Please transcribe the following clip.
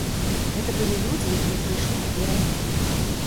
Гэта былі людзі, якія прыйшлі туды раней.